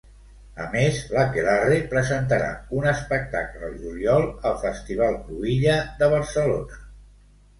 A més, l'Aquelarre presentarà un espectacle al juliol al Festival Cruïlla de Barcelona.